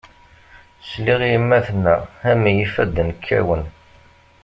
Sliɣ i yemma tenna, a mmi ifadden kkawen.